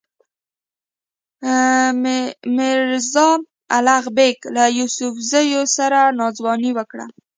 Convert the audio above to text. میرزا الغ بېګ له یوسفزیو سره ناځواني وکړه.